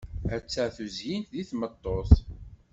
Atta tuzyint deg tmeṭṭut!